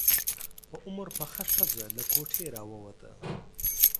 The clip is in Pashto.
په عمر پخه ښځه له کوټې راووته.